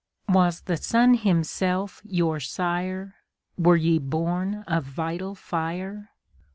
Was the sun himself your sire? Were ye born of vital fire?